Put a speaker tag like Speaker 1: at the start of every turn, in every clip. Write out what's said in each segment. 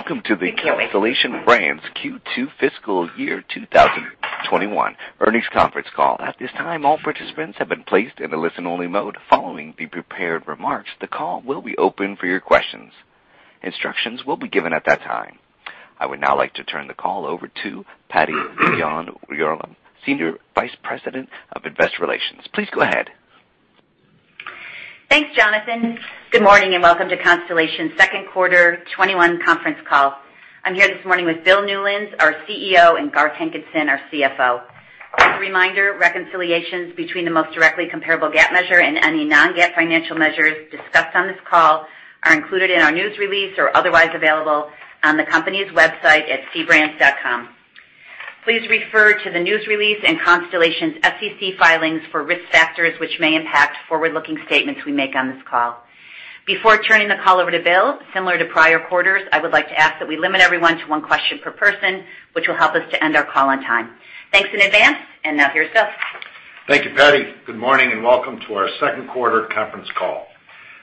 Speaker 1: Welcome to the Constellation Brands Q2 Fiscal Year 2021 Earnings Conference Call. At this time, all participants have been placed in a listen-only mode. Following the prepared remarks, the call will be open for your questions. Instructions will be given at that time. I would now like to turn the call over to Patty Yahn-Urlaub, Senior Vice President of Investor Relations. Please go ahead.
Speaker 2: Thanks, Jonathan. Good morning, welcome to Constellation's second quarter 2021 conference call. I'm here this morning with Bill Newlands, our CEO, Garth Hankinson, our CFO. As a reminder, reconciliations between the most directly comparable GAAP measure and any non-GAAP financial measures discussed on this call are included in our news release or otherwise available on the company's website at cbrands.com. Please refer to the news release and Constellation's SEC filings for risk factors which may impact forward-looking statements we make on this call. Before turning the call over to Bill, similar to prior quarters, I would like to ask that we limit everyone to one question per person, which will help us to end our call on time. Thanks in advance, now here's Bill.
Speaker 3: Thank you, Patty. Good morning. Welcome to our second quarter conference call.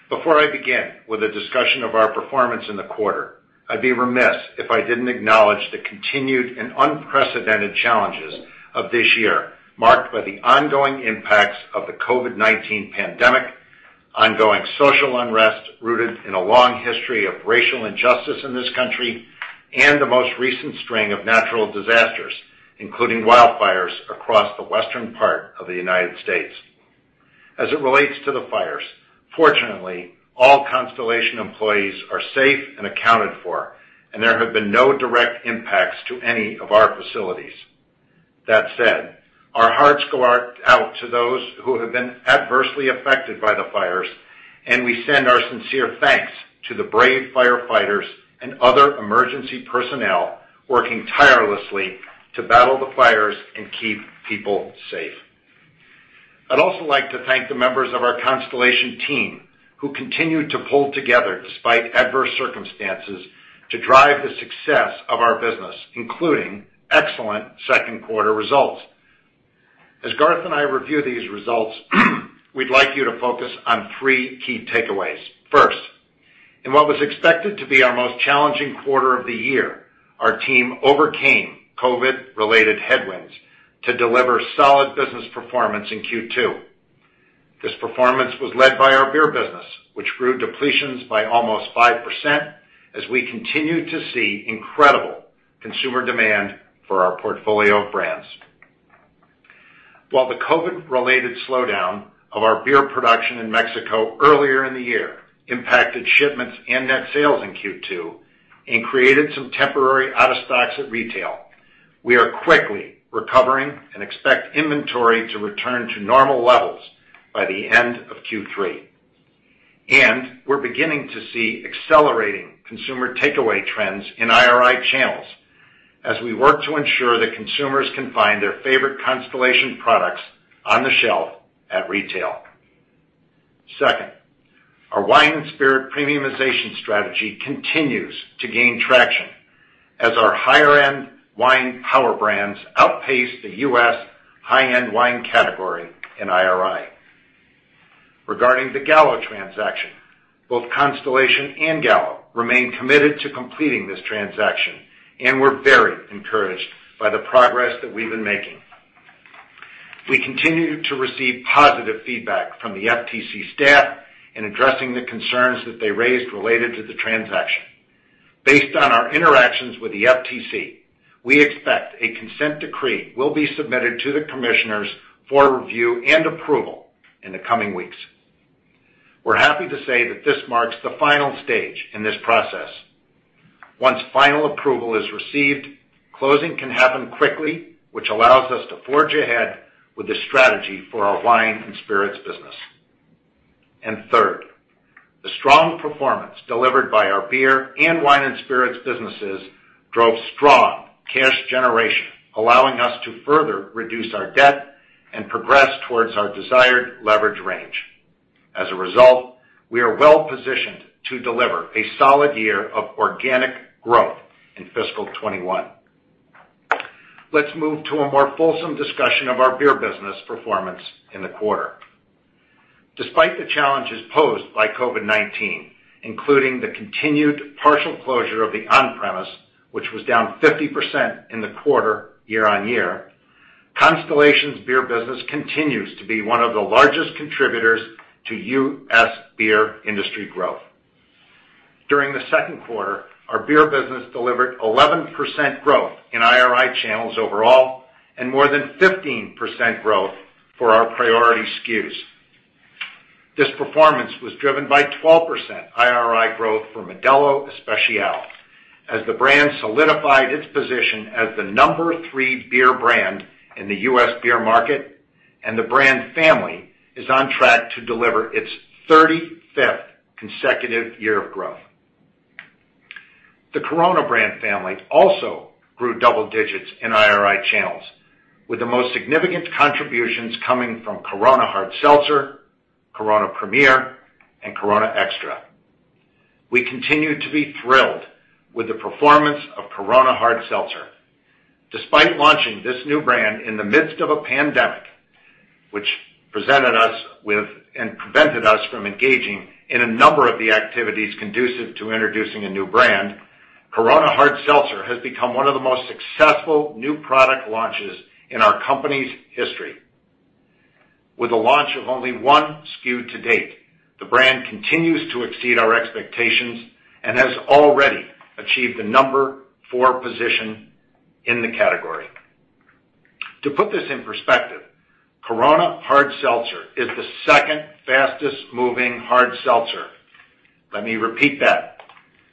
Speaker 3: Before I begin with a discussion of our performance in the quarter, I'd be remiss if I didn't acknowledge the continued and unprecedented challenges of this year, marked by the ongoing impacts of the COVID-19 pandemic, ongoing social unrest rooted in a long history of racial injustice in this country, and the most recent string of natural disasters, including wildfires across the western part of the United States. As it relates to the fires, fortunately, all Constellation employees are safe and accounted for, and there have been no direct impacts to any of our facilities. That said, our hearts go out to those who have been adversely affected by the fires, and we send our sincere thanks to the brave firefighters and other emergency personnel working tirelessly to battle the fires and keep people safe. I'd also like to thank the members of our Constellation team, who continue to pull together despite adverse circumstances to drive the success of our business, including excellent second quarter results. As Garth and I review these results, we'd like you to focus on three key takeaways. First, in what was expected to be our most challenging quarter of the year, our team overcame COVID related headwinds to deliver solid business performance in Q2. This performance was led by our beer business, which grew depletions by almost 5% as we continue to see incredible consumer demand for our portfolio of brands. While the COVID related slowdown of our beer production in Mexico earlier in the year impacted shipments and net sales in Q2 and created some temporary out of stocks at retail, we are quickly recovering and expect inventory to return to normal levels by the end of Q3. We're beginning to see accelerating consumer takeaway trends in IRI channels as we work to ensure that consumers can find their favorite Constellation products on the shelf at retail. Second, our wine and spirit premiumization strategy continues to gain traction as our higher-end wine power brands outpace the U.S. high-end wine category in IRI. Regarding the Gallo transaction, both Constellation and Gallo remain committed to completing this transaction, and we're very encouraged by the progress that we've been making. We continue to receive positive feedback from the FTC staff in addressing the concerns that they raised related to the transaction. Based on our interactions with the FTC, we expect a consent decree will be submitted to the commissioners for review and approval in the coming weeks. We're happy to say that this marks the final stage in this process. Once final approval is received, closing can happen quickly, which allows us to forge ahead with the strategy for our wine and spirits business. Third, the strong performance delivered by our beer and wine and spirits businesses drove strong cash generation, allowing us to further reduce our debt and progress towards our desired leverage range. As a result, we are well-positioned to deliver a solid year of organic growth in fiscal 2021. Let's move to a more fulsome discussion of our beer business performance in the quarter. Despite the challenges posed by COVID-19, including the continued partial closure of the on-premise, which was down 50% in the quarter year-over-year, Constellation's beer business continues to be one of the largest contributors to U.S. beer industry growth. During the second quarter, our beer business delivered 11% growth in IRI channels overall and more than 15% growth for our priority SKUs. This performance was driven by 12% IRI growth for Modelo Especial, as the brand solidified its position as the number three beer brand in the U.S. beer market, and the brand family is on track to deliver its 35th consecutive year of growth. The Corona brand family also grew double digits in IRI channels, with the most significant contributions coming from Corona Hard Seltzer, Corona Premier, and Corona Extra. We continue to be thrilled with the performance of Corona Hard Seltzer. Despite launching this new brand in the midst of a pandemic which presented us with and prevented us from engaging in a number of the activities conducive to introducing a new brand. Corona Hard Seltzer has become one of the most successful new product launches in our company's history. With the launch of only one SKU to date, the brand continues to exceed our expectations and has already achieved the number four position in the category. To put this in perspective, Corona Hard Seltzer is the second fastest-moving hard seltzer. Let me repeat that.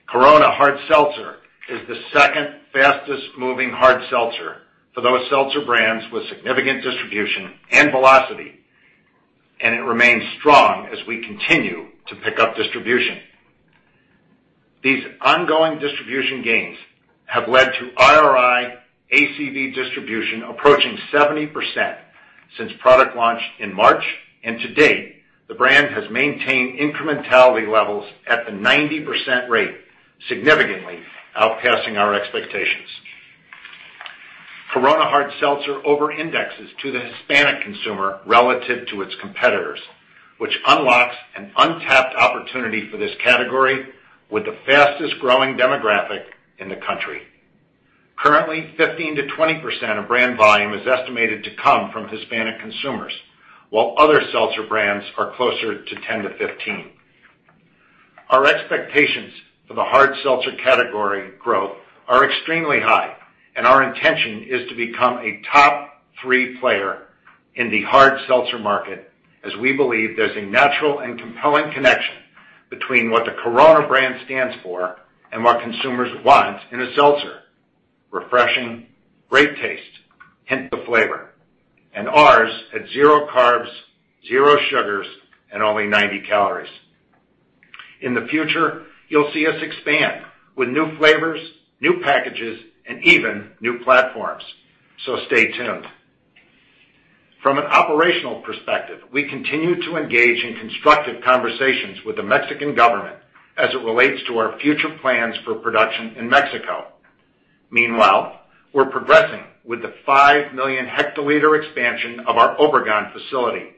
Speaker 3: Corona Hard Seltzer is the second fastest-moving hard seltzer for those seltzer brands with significant distribution and velocity, and it remains strong as we continue to pick up distribution. These ongoing distribution gains have led to IRI ACV distribution approaching 70% since product launch in March, and to date, the brand has maintained incrementality levels at the 90% rate, significantly outpacing our expectations. Corona Hard Seltzer over-indexes to the Hispanic consumer relative to its competitors, which unlocks an untapped opportunity for this category with the fastest-growing demographic in the country. Currently, 15%-20% of brand volume is estimated to come from Hispanic consumers, while other seltzer brands are closer to 10%-15%. Our expectations for the hard seltzer category growth are extremely high, and our intention is to become a top three player in the hard seltzer market, as we believe there's a natural and compelling connection between what the Corona brand stands for and what consumers want in a seltzer. Refreshing, great taste, hint of flavor, and ours at zero carbs, zero sugars, and only 90 calories. In the future, you'll see us expand with new flavors, new packages, and even new platforms. Stay tuned. From an operational perspective, we continue to engage in constructive conversations with the Mexican government as it relates to our future plans for production in Mexico. Meanwhile, we're progressing with the 5 million hectoliter expansion of our Obregon facility,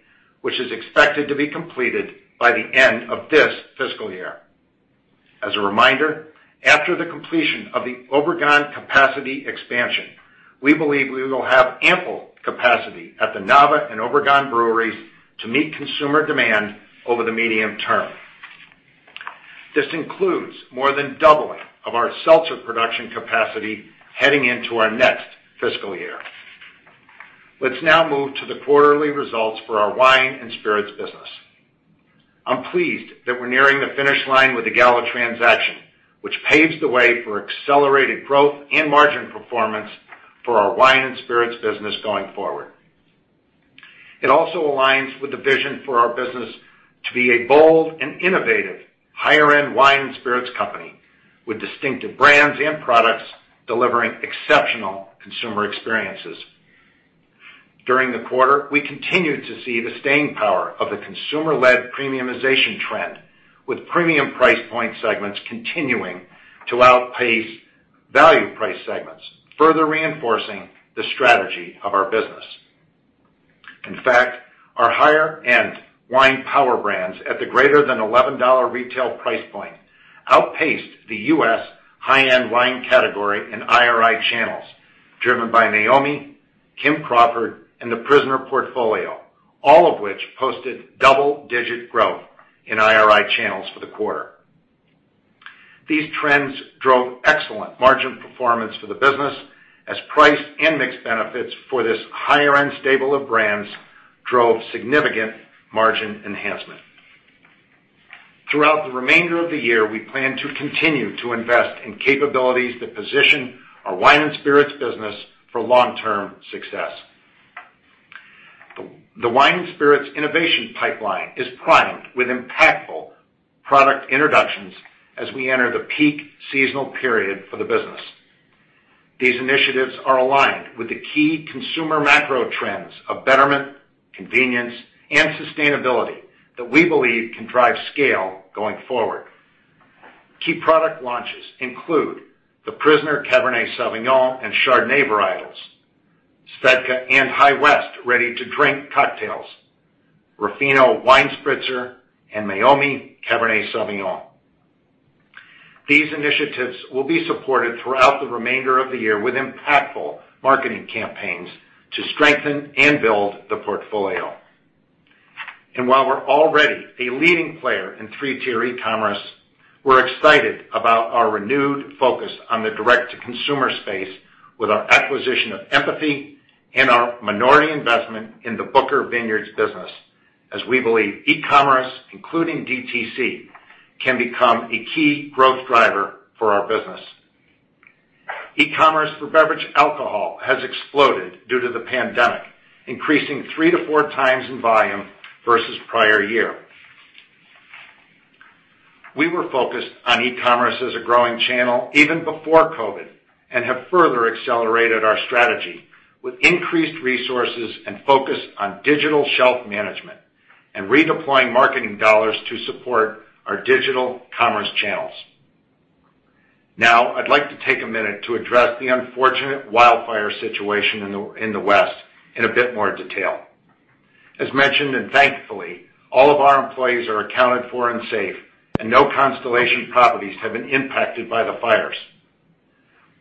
Speaker 3: which is expected to be completed by the end of this fiscal year. As a reminder, after the completion of the Obregon capacity expansion, we believe we will have ample capacity at the Nava and Obregon breweries to meet consumer demand over the medium-term. This includes more than doubling of our seltzer production capacity heading into our next fiscal year. Let's now move to the quarterly results for our wine and spirits business. I'm pleased that we're nearing the finish line with the Gallo transaction, which paves the way for accelerated growth and margin performance for our wine and spirits business going forward. It also aligns with the vision for our business to be a bold and innovative higher-end wine and spirits company with distinctive brands and products delivering exceptional consumer experiences. During the quarter, we continued to see the staying power of the consumer-led premiumization trend, with premium price point segments continuing to outpace value price segments, further reinforcing the strategy of our business. In fact, our higher-end wine power brands at the greater than $11 retail price point outpaced the U.S. high-end wine category in IRI channels, driven by Meiomi, Kim Crawford, and The Prisoner portfolio, all of which posted double-digit growth in IRI channels for the quarter. These trends drove excellent margin performance for the business as price and mix benefits for this higher-end stable of brands drove significant margin enhancement. Throughout the remainder of the year, we plan to continue to invest in capabilities that position our wine and spirits business for long-term success. The wine and spirits innovation pipeline is primed with impactful product introductions as we enter the peak seasonal period for the business. These initiatives are aligned with the key consumer macro trends of betterment, convenience, and sustainability that we believe can drive scale going forward. Key product launches include The Prisoner Cabernet Sauvignon and Chardonnay varietals, Svedka and High West Ready to Drink cocktails, Ruffino Wine Spritzer, and Meiomi Cabernet Sauvignon. These initiatives will be supported throughout the remainder of the year with impactful marketing campaigns to strengthen and build the portfolio. While we're already a leading player in three-tier e-commerce, we're excited about our renewed focus on the direct-to-consumer space with our acquisition of Empathy and our minority investment in the Booker Vineyard business, as we believe e-commerce, including DTC, can become a key growth driver for our business. E-commerce for beverage alcohol has exploded due to the pandemic, increasing 3x-4x in volume versus prior year. We were focused on e-commerce as a growing channel even before COVID, and have further accelerated our strategy with increased resources and focus on digital shelf management and redeploying marketing dollars to support our digital commerce channels. I'd like to take a minute to address the unfortunate wildfire situation in the West in a bit more detail. As mentioned, and thankfully, all of our employees are accounted for and safe, and no Constellation properties have been impacted by the fires.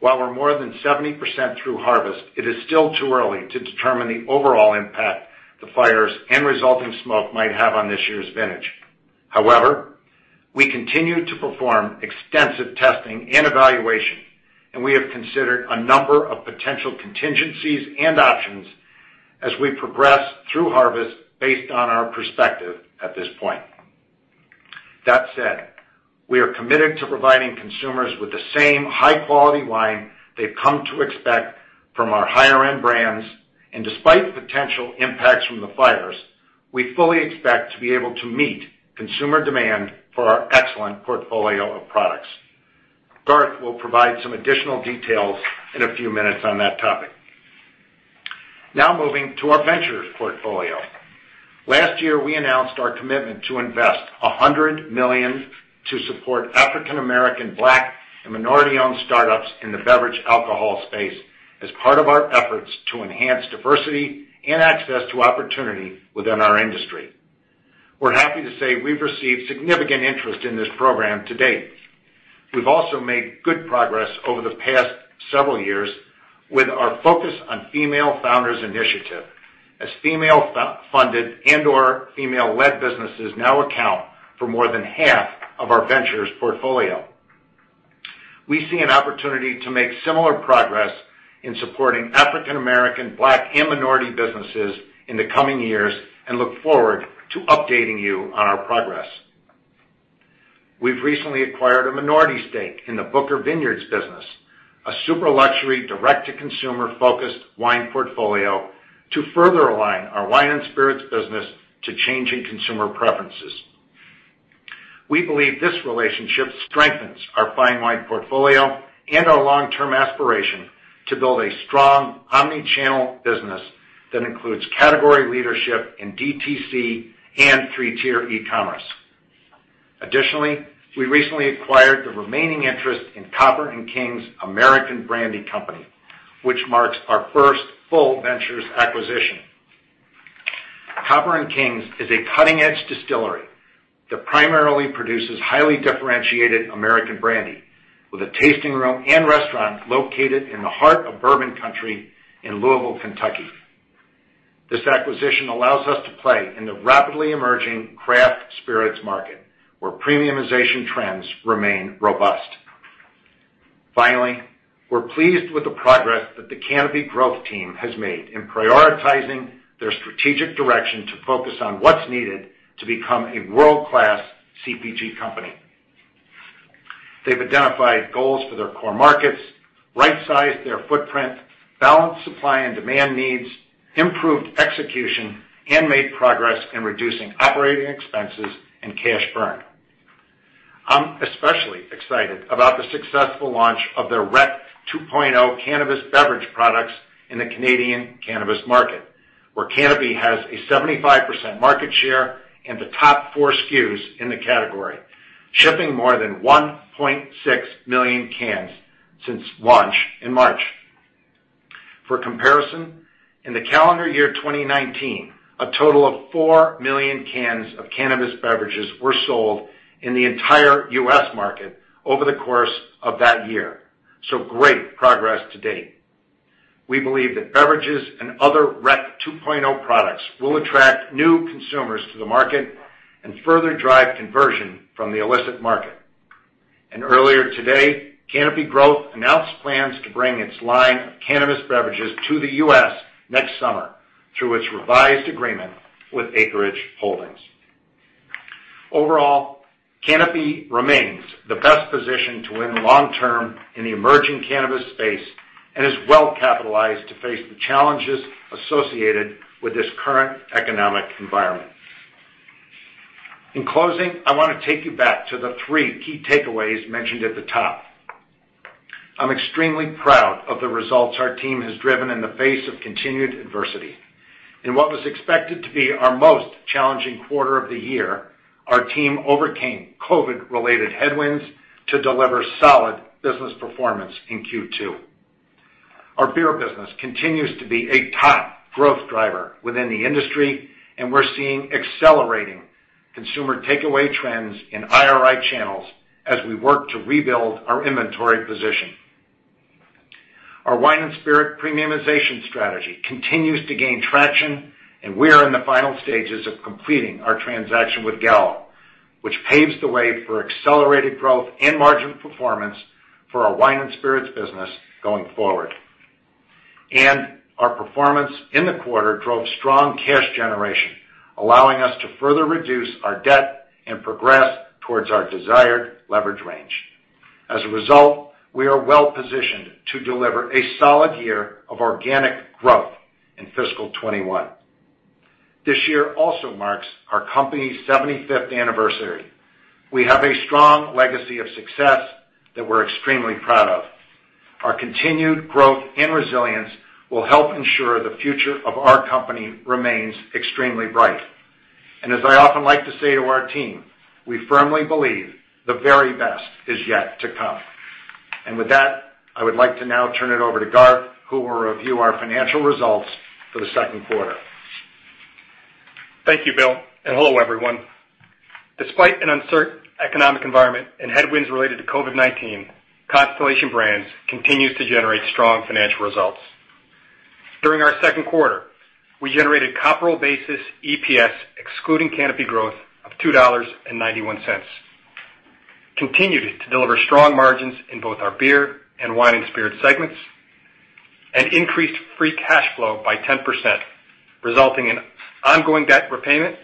Speaker 3: While we're more than 70% through harvest, it is still too early to determine the overall impact the fires and resulting smoke might have on this year's vintage. However, we continue to perform extensive testing and evaluation, and we have considered a number of potential contingencies and options as we progress through harvest based on our perspective at this point. That said, we are committed to providing consumers with the same high-quality wine they've come to expect from our higher-end brands. Despite potential impacts from the fires, we fully expect to be able to meet consumer demand for our excellent portfolio of products. Garth will provide some additional details in a few minutes on that topic. Moving to our ventures portfolio. Last year, we announced our commitment to invest $100 million to support African American, Black, and minority-owned startups in the beverage alcohol space as part of our efforts to enhance diversity and access to opportunity within our industry. We're happy to say we've received significant interest in this program to date. We've also made good progress over the past several years with our Focus on Female Founders initiative, as female-funded and/or female-led businesses now account for more than half of our ventures portfolio. We see an opportunity to make similar progress in supporting African American, Black, and minority businesses in the coming years and look forward to updating you on our progress. We've recently acquired a minority stake in the Booker Vineyard business, a super luxury, direct-to-consumer focused wine portfolio to further align our wine and spirits business to changing consumer preferences. We believe this relationship strengthens our fine wine portfolio and our long-term aspiration to build a strong omni-channel business that includes category leadership in DTC and three-tier e-commerce. Additionally, we recently acquired the remaining interest in Copper & Kings American Brandy Co., which marks our first full ventures acquisition. Copper & Kings is a cutting-edge distillery that primarily produces highly differentiated American brandy with a tasting room and restaurant located in the heart of Bourbon Country in Louisville, Kentucky. This acquisition allows us to play in the rapidly emerging craft spirits market, where premiumization trends remain robust. Finally, we're pleased with the progress that the Canopy Growth team has made in prioritizing their strategic direction to focus on what's needed to become a world-class CPG company. They've identified goals for their core markets, right-sized their footprint, balanced supply and demand needs, improved execution, and made progress in reducing operating expenses and cash burn. I'm especially excited about the successful launch of their Rec 2.0 cannabis beverage products in the Canadian cannabis market, where Canopy has a 75% market share and the top four SKUs in the category, shipping more than 1.6 million cans since launch in March. For comparison, in the calendar year 2019, a total of 4 million cans of cannabis beverages were sold in the entire U.S. market over the course of that year. Great progress to date. We believe that beverages and other Rec 2.0 products will attract new consumers to the market and further drive conversion from the illicit market. Earlier today, Canopy Growth announced plans to bring its line of cannabis beverages to the U.S. next summer through its revised agreement with Acreage Holdings. Overall, Canopy remains the best position to win long-term in the emerging cannabis space and is well capitalized to face the challenges associated with this current economic environment. In closing, I want to take you back to the three key takeaways mentioned at the top. I'm extremely proud of the results our team has driven in the face of continued adversity. In what was expected to be our most challenging quarter of the year, our team overcame COVID-related headwinds to deliver solid business performance in Q2. Our beer business continues to be a top growth driver within the industry, we're seeing accelerating consumer takeaway trends in IRI channels as we work to rebuild our inventory position. Our wine and spirit premiumization strategy continues to gain traction. We are in the final stages of completing our transaction with Gallo, which paves the way for accelerated growth and margin performance for our wine and spirits business going forward. Our performance in the quarter drove strong cash generation, allowing us to further reduce our debt and progress towards our desired leverage range. As a result, we are well positioned to deliver a solid year of organic growth in fiscal 2021. This year also marks our company's 75th anniversary. We have a strong legacy of success that we're extremely proud of. Our continued growth and resilience will help ensure the future of our company remains extremely bright. As I often like to say to our team, we firmly believe the very best is yet to come. With that, I would like to now turn it over to Garth, who will review our financial results for the second quarter.
Speaker 4: Thank you, Bill, and hello, everyone. Despite an uncertain economic environment and headwinds related to COVID-19, Constellation Brands continues to generate strong financial results. During our second quarter, we generated comparable basis EPS, excluding Canopy Growth, of $2.91, continued to deliver strong margins in both our beer and wine and spirit segments, and increased free cash flow by 10%, resulting in ongoing debt repayment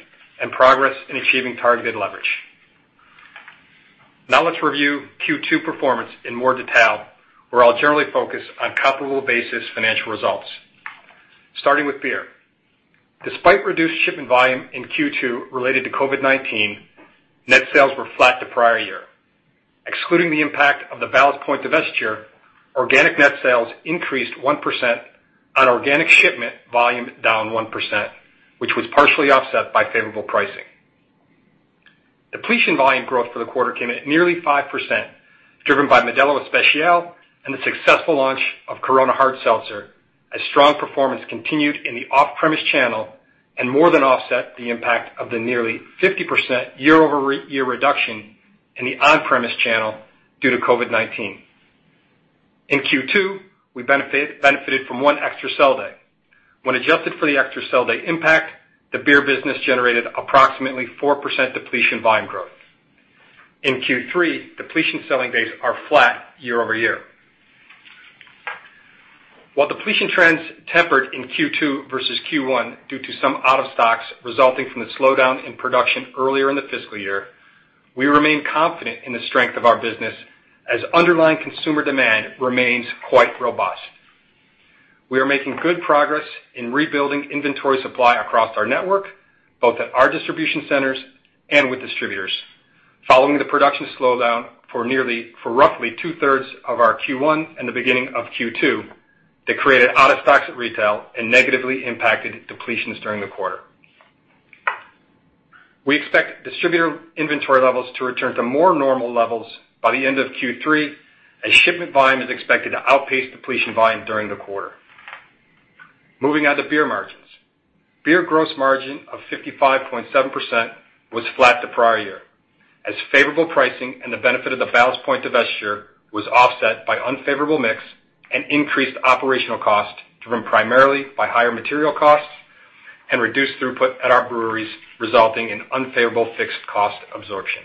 Speaker 4: and progress in achieving targeted leverage. Now let's review Q2 performance in more detail, where I'll generally focus on comparable basis financial results. Starting with beer. Despite reduced shipment volume in Q2 related to COVID-19, net sales were flat to prior year. Excluding the impact of the Ballast Point divestiture, organic net sales increased 1% on organic shipment volume down 1%, which was partially offset by favorable pricing. Depletion volume growth for the quarter came at nearly 5%, driven by Modelo Especial and the successful launch of Corona Hard Seltzer, as strong performance continued in the off-premise channel and more than offset the impact of the nearly 50% year-over-year reduction in the on-premise channel due to COVID-19. In Q2, we benefited from one extra sell day. When adjusted for the extra sell day impact, the beer business generated approximately 4% depletion volume growth. In Q3, depletion selling days are flat year-over-year. While depletion trends tempered in Q2 versus Q1 due to some out of stocks resulting from the slowdown in production earlier in the fiscal year, we remain confident in the strength of our business as underlying consumer demand remains quite robust. We are making good progress in rebuilding inventory supply across our network, both at our distribution centers and with distributors. Following the production slowdown for roughly two-thirds of our Q1 and the beginning of Q2, that created out-of-stocks at retail and negatively impacted depletions during the quarter. We expect distributor inventory levels to return to more normal levels by the end of Q3, as shipment volume is expected to outpace depletion volume during the quarter. Moving on to beer margins. Beer gross margin of 55.7% was flat to prior year, as favorable pricing and the benefit of the Ballast Point divestiture was offset by unfavorable mix and increased operational cost, driven primarily by higher material costs and reduced throughput at our breweries, resulting in unfavorable fixed cost absorption.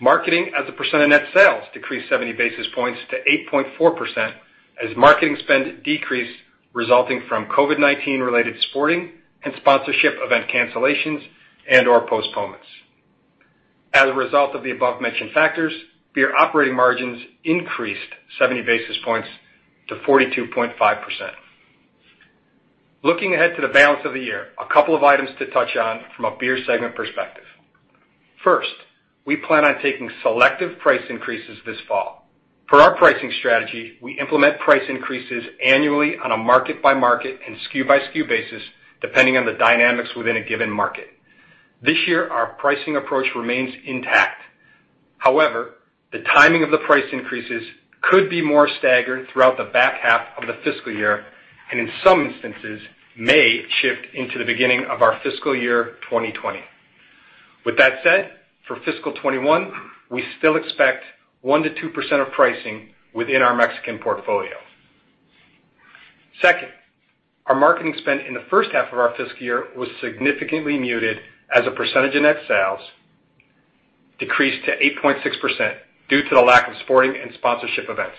Speaker 4: Marketing as a percent of net sales decreased 70 basis points to 8.4% as marketing spend decreased, resulting from COVID-19 related sporting and sponsorship event cancellations and/or postponements. As a result of the above-mentioned factors, beer operating margins increased 70 basis points to 42.5%. Looking ahead to the balance of the year, a couple of items to touch on from a beer segment perspective. First, we plan on taking selective price increases this fall. Per our pricing strategy, we implement price increases annually on a market-by-market and SKU-by-SKU basis, depending on the dynamics within a given market. This year, our pricing approach remains intact. However, the timing of the price increases could be more staggered throughout the back half of the fiscal year, and in some instances, may shift into the beginning of our fiscal year 2020. With that said, for fiscal 2021, we still expect 1% to 2% of pricing within our Mexican portfolio. Second, our marketing spend in the first half of our fiscal year was significantly muted as a percentage of net sales decreased to 8.6% due to the lack of sporting and sponsorship events.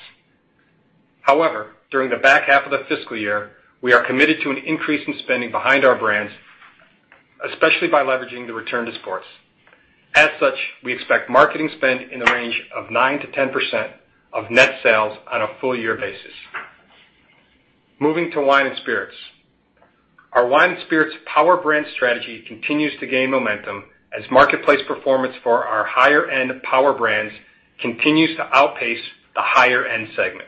Speaker 4: However, during the back half of the fiscal year, we are committed to an increase in spending behind our brands, especially by leveraging the return to sports. As such, we expect marketing spend in the range of 9%-10% of net sales on a full year basis. Moving to wine and spirits. Our wine and spirits power brand strategy continues to gain momentum as marketplace performance for our higher-end power brands continues to outpace the higher-end segment.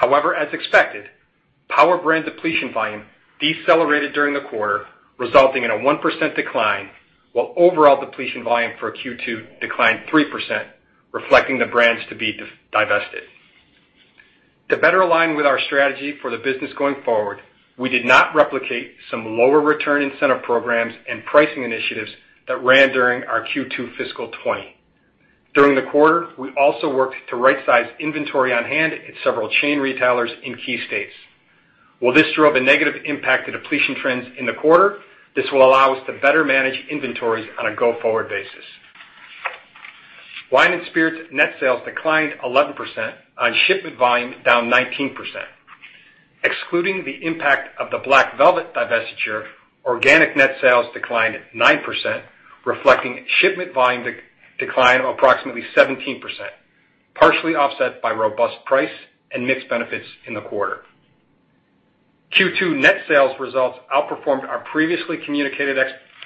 Speaker 4: However, as expected, power brand depletion volume decelerated during the quarter, resulting in a 1% decline, while overall depletion volume for Q2 declined 3%, reflecting the brands to be divested. To better align with our strategy for the business going forward, we did not replicate some lower return incentive programs and pricing initiatives that ran during our Q2 fiscal 2020. During the quarter, we also worked to right-size inventory on hand at several chain retailers in key states. While this drove a negative impact to depletion trends in the quarter, this will allow us to better manage inventories on a go-forward basis. Wine and spirits net sales declined 11% on shipment volume down 19%. Excluding the impact of the Black Velvet divestiture, organic net sales declined 9%, reflecting shipment volume decline of approximately 17%, partially offset by robust price and mix benefits in the quarter. Q2 net sales results outperformed our previously communicated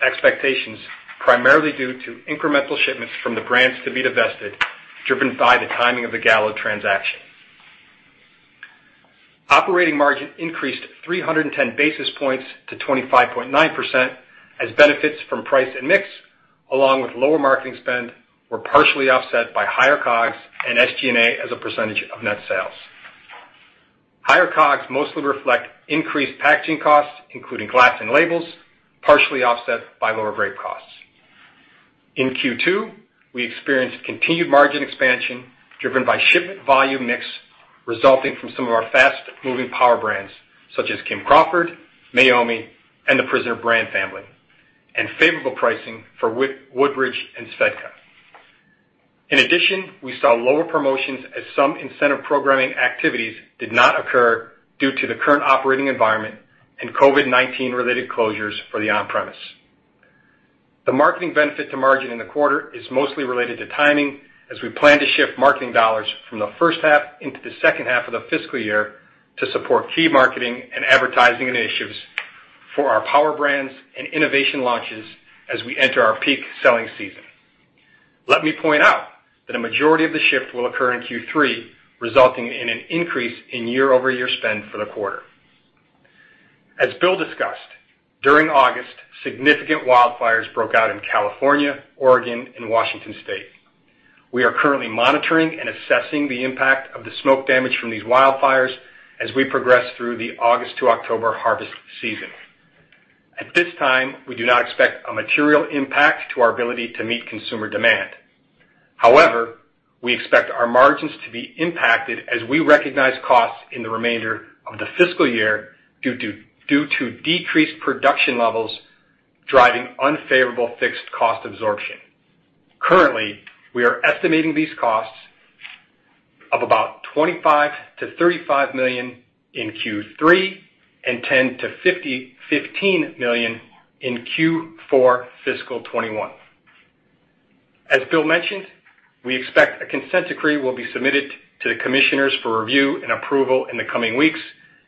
Speaker 4: expectations, primarily due to incremental shipments from the brands to be divested, driven by the timing of the Gallo transaction. Operating margin increased 310 basis points to 25.9%, as benefits from price and mix, along with lower marketing spend, were partially offset by higher COGS and SG&A as a percentage of net sales. Higher COGS mostly reflect increased packaging costs, including glass and labels, partially offset by lower grape costs. In Q2, we experienced continued margin expansion driven by shipment volume mix, resulting from some of our fast-moving power brands such as Kim Crawford, Meiomi, and The Prisoner Brand Family, and favorable pricing for Woodbridge and Svedka. In addition, we saw lower promotions as some incentive programming activities did not occur due to the current operating environment and COVID-19 related closures for the on-premise. The marketing benefit to margin in the quarter is mostly related to timing as we plan to shift marketing dollars from the first half into the second half of the fiscal year to support key marketing and advertising initiatives for our power brands and innovation launches as we enter our peak selling season. Let me point out that a majority of the shift will occur in Q3, resulting in an increase in year-over-year spend for the quarter. As Bill discussed, during August, significant wildfires broke out in California, Oregon, and Washington State. We are currently monitoring and assessing the impact of the smoke damage from these wildfires as we progress through the August to October harvest season. At this time, we do not expect a material impact to our ability to meet consumer demand. However, we expect our margins to be impacted as we recognize costs in the remainder of the fiscal year due to decreased production levels driving unfavorable fixed cost absorption. Currently, we are estimating these costs of about $25 million-$35 million in Q3 and $10 million-$15 million in Q4 fiscal year 2021. As Bill mentioned, we expect a consent decree will be submitted to the commissioners for review and approval in the coming weeks,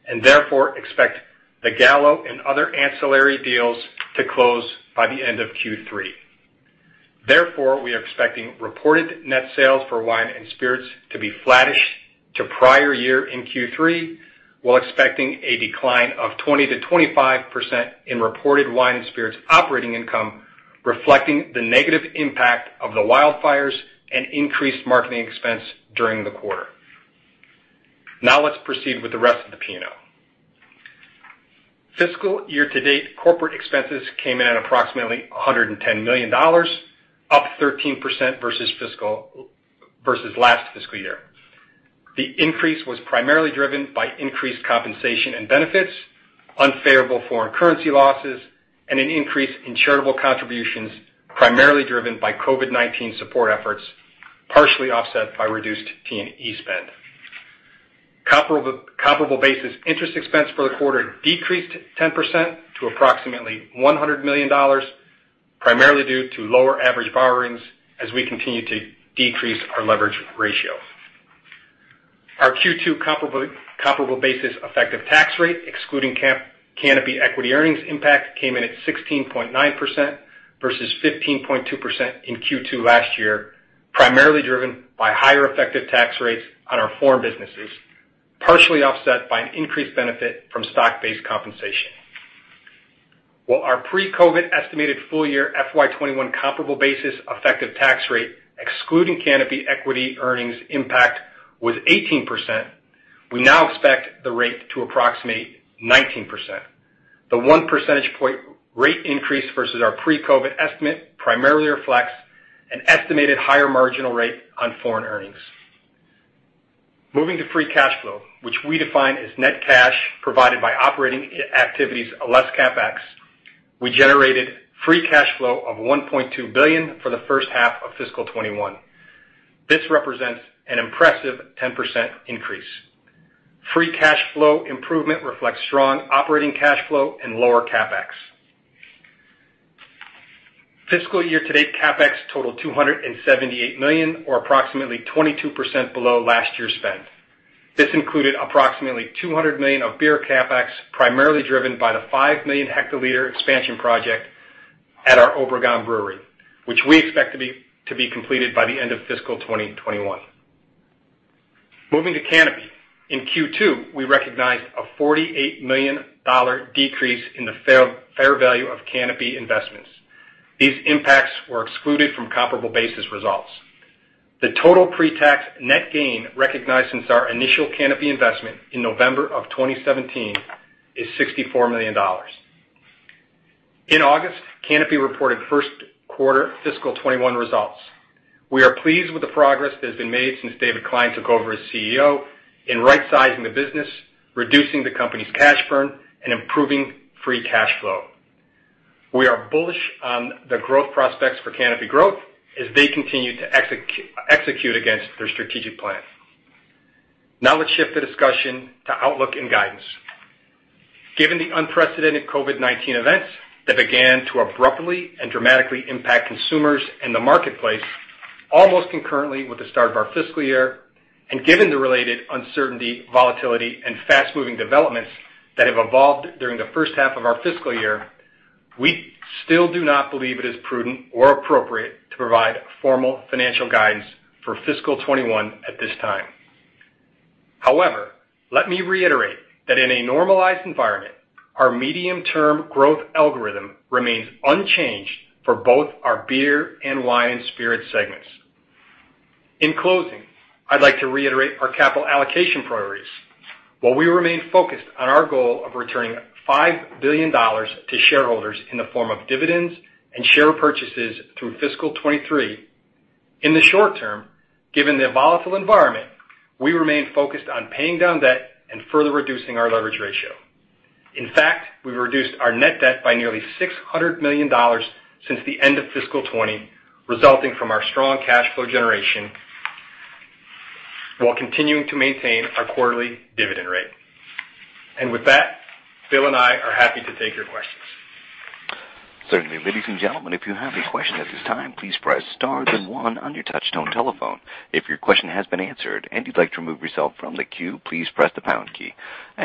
Speaker 4: and therefore expect the Gallo and other ancillary deals to close by the end of Q3. Therefore, we are expecting reported net sales for wine and spirits to be flattish to prior year in Q3, while expecting a decline of 20%-25% in reported wine and spirits operating income, reflecting the negative impact of the wildfires and increased marketing expense during the quarter. Now let's proceed with the rest of the P&L. Fiscal year to date, corporate expenses came in at approximately $110 million, up 13% versus last fiscal year. The increase was primarily driven by increased compensation and benefits, unfavorable foreign currency losses, and an increase in charitable contributions, primarily driven by COVID-19 support efforts, partially offset by reduced T&E spend. Comparable basis interest expense for the quarter decreased 10% to approximately $100 million, primarily due to lower average borrowings as we continue to decrease our leverage ratio. Our Q2 comparable basis effective tax rate, excluding Canopy equity earnings impact, came in at 16.9% versus 15.2% in Q2 last year, primarily driven by higher effective tax rates on our foreign businesses, partially offset by an increased benefit from stock-based compensation. While our pre-COVID estimated full year FY 2021 comparable basis effective tax rate, excluding Canopy equity earnings impact, was 18%, we now expect the rate to approximate 19%. The one percentage point rate increase versus our pre-COVID estimate primarily reflects an estimated higher marginal rate on foreign earnings. Moving to free cash flow, which we define as net cash provided by operating activities less CapEx, we generated free cash flow of $1.2 billion for the first half of fiscal 2021. This represents an impressive 10% increase. Free cash flow improvement reflects strong operating cash flow and lower CapEx. Fiscal year to date, CapEx totaled $278 million, or approximately 22% below last year's spend. This included approximately $200 million of beer CapEx, primarily driven by the five million hectoliter expansion project at our Obregon Brewery, which we expect to be completed by the end of fiscal 2021. Moving to Canopy. In Q2, we recognized a $48 million decrease in the fair value of Canopy investments. These impacts were excluded from comparable basis results. The total pre-tax net gain recognized since our initial Canopy investment in November of 2017 is $64 million. In August, Canopy reported first quarter fiscal 2021 results. We are pleased with the progress that has been made since David Klein took over as CEO in rightsizing the business, reducing the company's cash burn, and improving free cash flow. We are bullish on the growth prospects for Canopy Growth as they continue to execute against their strategic plan. Let's shift the discussion to outlook and guidance. Given the unprecedented COVID-19 events that began to abruptly and dramatically impact consumers and the marketplace. Almost concurrently with the start of our fiscal year, and given the related uncertainty, volatility, and fast-moving developments that have evolved during the first half of our fiscal year, we still do not believe it is prudent or appropriate to provide formal financial guidance for fiscal 2021 at this time. However, let me reiterate that in a normalized environment, our medium-term growth algorithm remains unchanged for both our beer and wine, spirit segments. In closing, I'd like to reiterate our capital allocation priorities. While we remain focused on our goal of returning $5 billion to shareholders in the form of dividends and share purchases through fiscal 2023, in the short-term, given the volatile environment, we remain focused on paying down debt and further reducing our leverage ratio. In fact, we've reduced our net debt by nearly $600 million since the end of fiscal 2020, resulting from our strong cash flow generation while continuing to maintain our quarterly dividend rate. With that, Bill and I are happy to take your questions.
Speaker 1: Certainly. Ladies and gentlemen, if you have a question at this time, please press star then one on your touchtone telephone. If your question has been answered and you'd like to remove yourself from the queue, please press the pound key.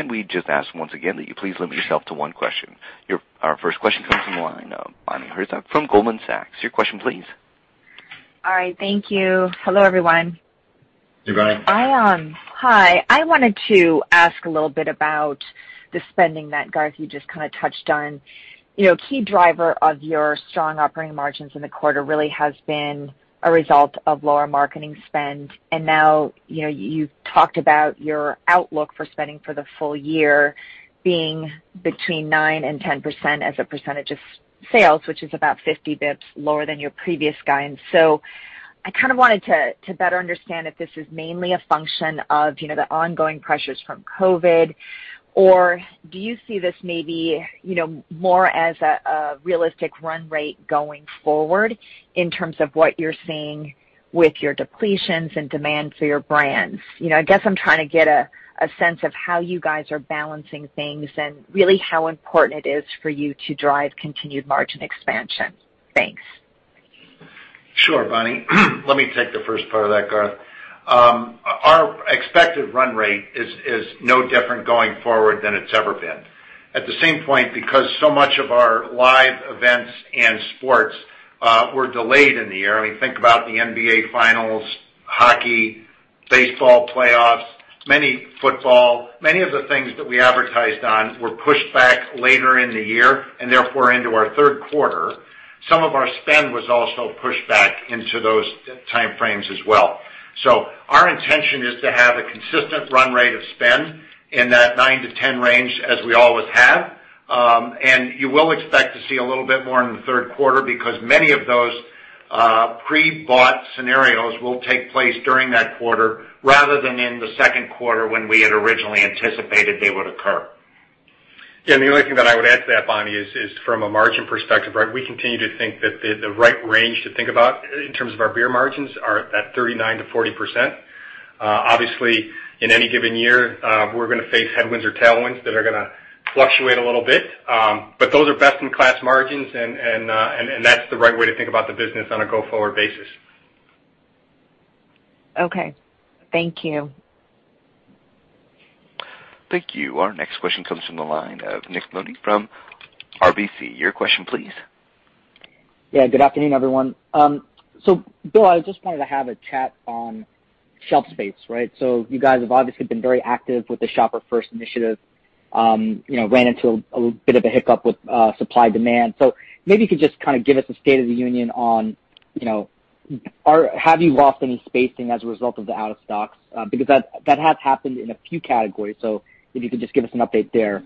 Speaker 1: We just ask once again that you please limit yourself to one question. Our first question comes from the line of Bonnie Herzog from Goldman Sachs. Your question please.
Speaker 5: All right. Thank you. Hello, everyone.
Speaker 4: Hey, Bonnie.
Speaker 5: Hi. I wanted to ask a little bit about the spending that, Garth, you just kind of touched on. Key driver of your strong operating margins in the quarter really has been a result of lower marketing spend. Now, you've talked about your outlook for spending for the full year being between 9% and 10% as a percentage of sales, which is about 50 basis points lower than your previous guidance. I kind of wanted to better understand if this is mainly a function of the ongoing pressures from COVID-19, or do you see this maybe more as a realistic run rate going forward in terms of what you're seeing with your depletions and demand for your brands? I guess I'm trying to get a sense of how you guys are balancing things and really how important it is for you to drive continued margin expansion. Thanks.
Speaker 3: Sure, Bonnie. Let me take the first part of that, Garth. Our expected run rate is no different going forward than it's ever been. At the same point, because so much of our live events and sports were delayed in the year, I mean, think about the NBA finals, hockey, baseball playoffs, football, many of the things that we advertised on were pushed back later in the year, and therefore into our third quarter. Some of our spend was also pushed back into those timeframes as well. Our intention is to have a consistent run rate of spend in that 9%-10% range as we always have. You will expect to see a little bit more in the third quarter because many of those pre-bought scenarios will take place during that quarter rather than in the second quarter when we had originally anticipated they would occur.
Speaker 4: Yeah, the only thing that I would add to that, Bonnie, is from a margin perspective, we continue to think that the right range to think about in terms of our beer margins are at 39%-40%. Obviously, in any given year, we're going to face headwinds or tailwinds that are going to fluctuate a little bit. But those are best-in-class margins and that's the right way to think about the business on a go-forward basis.
Speaker 5: Okay. Thank you.
Speaker 1: Thank you. Our next question comes from the line of Nik Modi from RBC. Your question please.
Speaker 6: Yeah, good afternoon, everyone. Bill, I just wanted to have a chat on shelf space, right? You guys have obviously been very active with the Shopper-First Shelf initiative. Ran into a little bit of a hiccup with supply-demand. Maybe you could just kind of give us a state of the union on, have you lost any spacing as a result of the out-of-stocks? That has happened in a few categories, so if you could just give us an update there.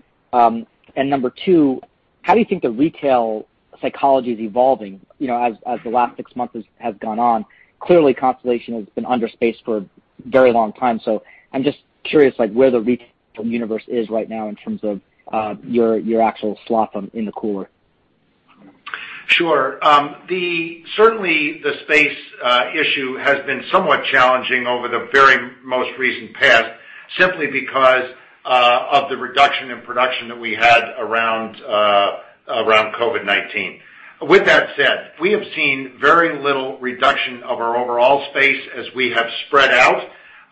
Speaker 6: Number two, how do you think the retail psychology is evolving as the last six months has gone on? Clearly, Constellation has been under space for a very long time, so I'm just curious, like, where the retail universe is right now in terms of your actual slot in the cooler.
Speaker 4: Sure. Certainly, the space issue has been somewhat challenging over the very most recent past, simply because of the reduction in production that we had around COVID-19. With that said, we have seen very little reduction of our overall space as we have spread out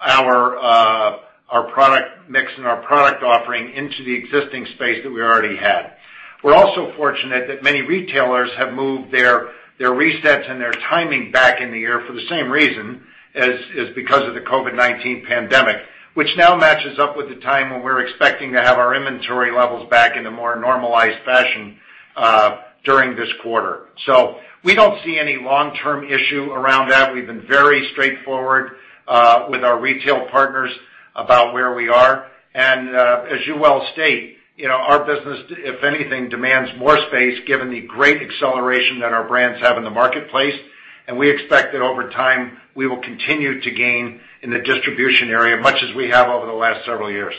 Speaker 4: our product mix and our product offering into the existing space that we already had.
Speaker 3: We're also fortunate that many retailers have moved their resets and their timing back in the year for the same reason, is because of the COVID-19 pandemic, which now matches up with the time when we're expecting to have our inventory levels back in a more normalized fashion, during this quarter. We don't see any long-term issue around that. We've been very straightforward with our retail partners about where we are. As you well state, our business, if anything, demands more space given the great acceleration that our brands have in the marketplace. We expect that over time, we will continue to gain in the distribution area much as we have over the last several years.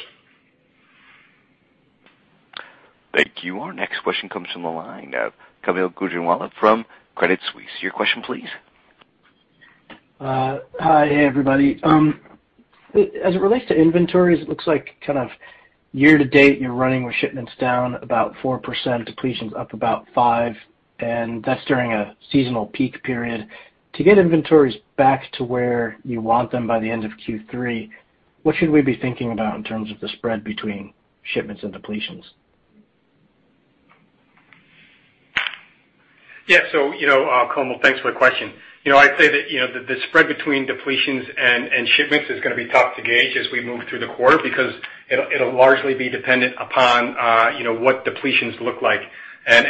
Speaker 1: Thank you. Our next question comes from the line of Kaumil Gajrawala from Credit Suisse. Your question please.
Speaker 7: Hi. Hey, everybody. As it relates to inventories, it looks like kind of year-to-date, you're running with shipments down about 4%, depletions up about five, and that's during a seasonal peak period. To get inventories back to where you want them by the end of Q3, what should we be thinking about in terms of the spread between shipments and depletions?
Speaker 4: Yeah. Kaumil, thanks for the question. I'd say that the spread between depletions and shipments is going to be tough to gauge as we move through the quarter because it'll largely be dependent upon what depletions look like. As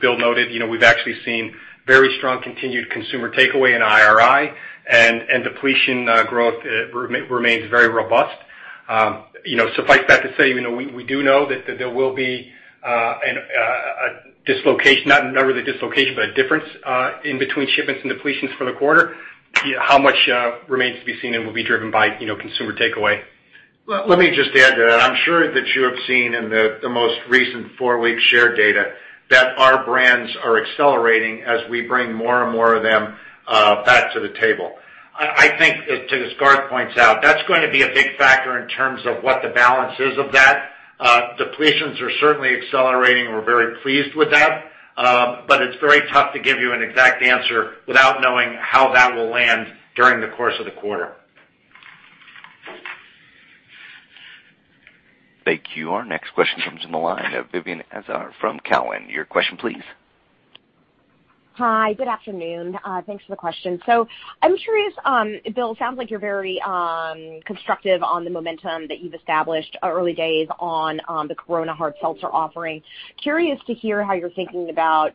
Speaker 4: Bill noted, we've actually seen very strong continued consumer takeaway in IRI and depletion growth remains very robust. Suffice that to say, we do know that there will be a difference in between shipments and depletions for the quarter. How much remains to be seen and will be driven by consumer takeaway.
Speaker 3: Let me just add to that. I'm sure that you have seen in the most recent four-week share data that our brands are accelerating as we bring more and more of them back to the table. I think, as Garth points out, that's going to be a big factor in terms of what the balance is of that. Depletions are certainly accelerating, we're very pleased with that. It's very tough to give you an exact answer without knowing how that will land during the course of the quarter.
Speaker 1: Thank you. Our next question comes from the line of Vivien Azer from Cowen. Your question, please.
Speaker 8: Hi, good afternoon. Thanks for the question. I'm curious, Bill, sounds like you're very constructive on the momentum that you've established early days on the Corona Hard Seltzer offering. Curious to hear how you're thinking about